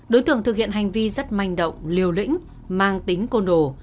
đối tượng thực hiện hành vi rất manh động liều lĩnh mang tính côn đồ